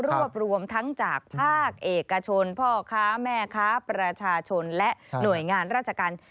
รวมทั้งจากภาคเอกชนพ่อค้าแม่ค้าประชาชนและหน่วยงานราชการ